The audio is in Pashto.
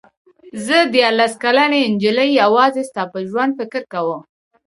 زه دیارلس کلنې نجلۍ یوازې ستا په ژوند فکر کاوه.